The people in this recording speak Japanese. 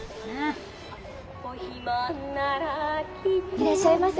いらっしゃいませ。